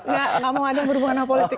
nggak mau ada yang berhubungan dengan politik